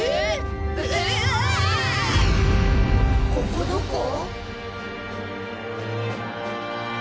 ここどこ？